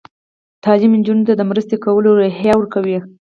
تعلیم نجونو ته د مرستې کولو روحیه ورکوي.